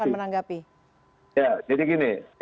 ada perbuatan pidana yang berkaitan dengan kesehatan